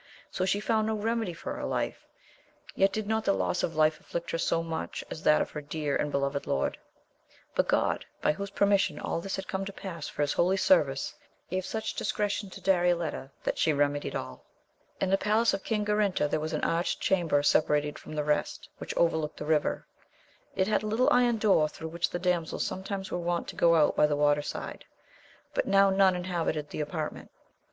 So she found no remedy for her life ; yet did not the loss of life afflict her so much as that of her dear and be loved lord. But God, by whose permissiori all this had come to pass for his holy service, gave such dis cretion to Darioleta, that she remedied alL In the palace of King Garinter there was an arched chamber separated from the rest, which overlooked the river ; it had a little iron door through which the damsels sometime were wont to go out by the water side, but now none inhabited the apartment.